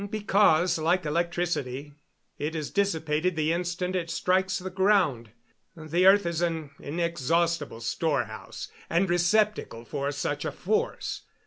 "Because, like electricity, it is dissipated the instant it strikes the ground. The earth is an inexhaustible storehouse and receptacle for such a force.